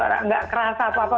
tidak terasa apa apa